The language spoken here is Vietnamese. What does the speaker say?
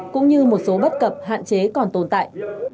cũng như một số bất cập hạn chế còn tồn tại